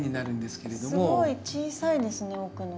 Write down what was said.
すごい小さいですね奥の。